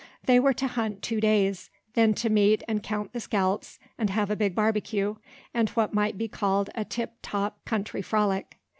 They were to hunt two days: then to meet and count the scalps, and have a big barbecue, and what might be called a tip top country frolic.